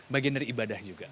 bagian dari ibadah juga